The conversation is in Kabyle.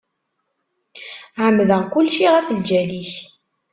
Ԑemmdeɣ kulci ɣef lǧal-ik.